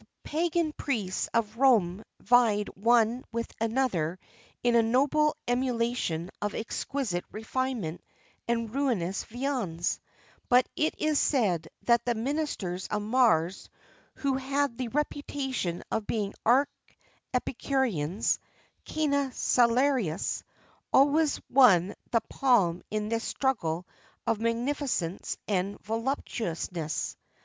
The pagan priests of Rome vied one with another in a noble emulation of exquisite refinement and ruinous viands;[XXX 25] but it is said that the ministers of Mars, who had the reputation of being arch epicureans (cœna saliaris), always won the palm in this struggle of magnificence and voluptuousness.